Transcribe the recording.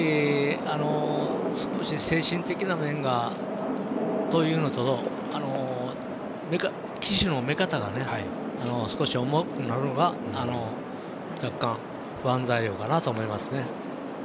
少し精神的な面がというのと騎手の目方が少し重いのが、若干不安材料かなと思いますね。